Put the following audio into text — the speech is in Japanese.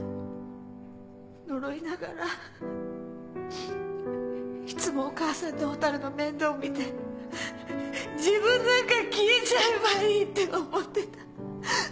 呪いながらいつもお母さんとほたるの面倒を見て自分なんか消えちゃえばいいって思ってた。